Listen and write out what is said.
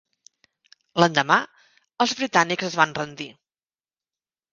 L'endemà, els britànics es van rendir.